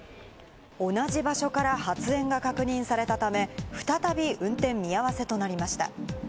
同じ場所から発煙が確認されたため、再び運転見合わせとなりました。